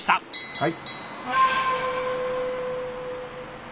はい。